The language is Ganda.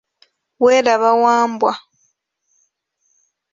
Welaba Wambwa.